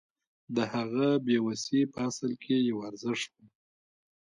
د هغه بې وسي په اصل کې یو ارزښت و